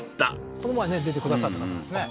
この前ね出てくださった方ですね